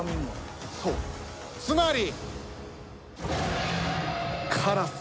つまり。